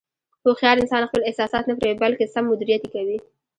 هوښیار انسان خپل احساسات نه پټوي، بلکې سم مدیریت یې کوي.